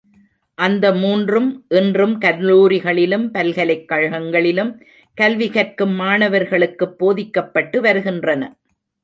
அந்த மூன்றும் இன்னும் கல்லூரிகளிலும், பல்கலைக் கழகளிலும் கல்வி கற்கும் மாணவர்களுக்குப் போதிக்கப்பட்டு வருகின்றன.